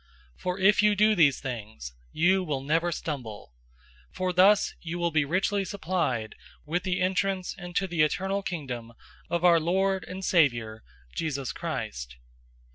For if you do these things, you will never stumble. 001:011 For thus you will be richly supplied with the entrance into the eternal Kingdom of our Lord and Savior, Jesus Christ.